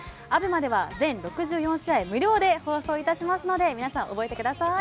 ＡＢＥＭＡでは全６４試合無料で放送致しますので皆さん覚えてください。